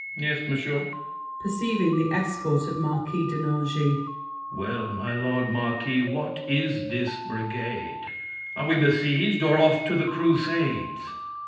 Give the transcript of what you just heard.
Yes, Monsieur! [Perceiving the escort of Marquis de Nangis. Well, my lord marquis, what is this brigade? Are we besieged, or off to the Crusades?